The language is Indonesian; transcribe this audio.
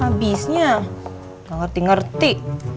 habisnya gak ngerti ngerti